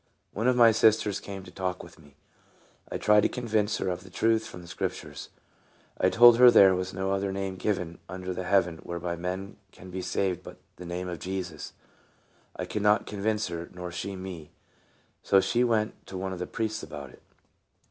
One of my sisters came to talk with me. I tried to convince her of the truth from the Scriptures. I told her there was no other name given under heaven whereby men can be saved but the name of Jesus. I could not convince her, nor she me, so she went to one of the priests about it.